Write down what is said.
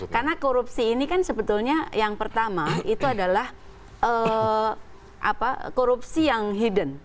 karena korupsi ini kan sebetulnya yang pertama itu adalah korupsi yang hidden